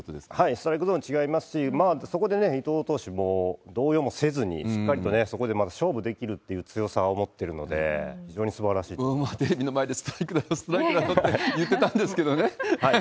ストライクゾーン違いますし、そこで伊藤投手も動揺もせずにしっかりと、またそこで勝負できるっていう強さを持っているので、僕ももう、テレビの目の前でストライクだろって言ってたんですけどね。